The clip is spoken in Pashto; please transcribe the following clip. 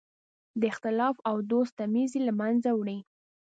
د اختلاف او دوست تمیز یې له منځه وړی.